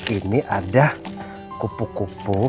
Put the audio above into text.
ini ada kupu kupu